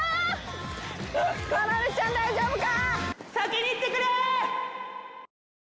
かなでちゃん大丈夫か？